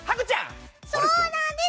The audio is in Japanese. そうなんです！